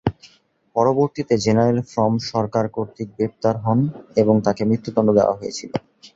পরবর্তীতে জেনারেল ফ্রম সরকার কর্তৃক গ্রেপ্তার হন এবং তাকে মৃত্যুদন্ড দেয়া হয়েছিল।